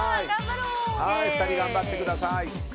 ２人頑張ってください。